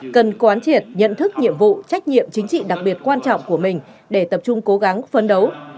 cần quán triệt nhận thức nhiệm vụ trách nhiệm chính trị đặc biệt quan trọng của mình để tập trung cố gắng phấn đấu